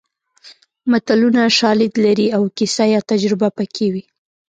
متلونه شالید لري او کیسه یا تجربه پکې وي